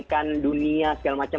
damaikan dunia segala macam